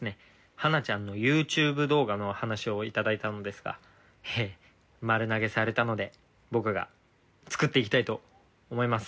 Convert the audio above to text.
ハナちゃんのＹｏｕＴｕｂｅ動画の話を頂いたのですが丸投げされたので僕が作っていきたいと思います」